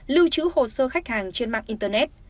lưu trữ hồ sơ khách hàng trên mạng internet